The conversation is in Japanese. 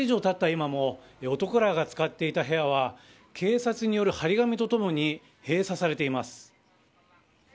今も男らが使っていた部屋は警察による張り紙とともに閉鎖されています。